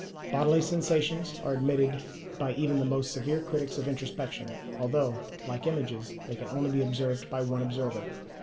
Bodily sensations are admitted by even the most severe critics of introspection, although, like images, they can only be observed by one observer.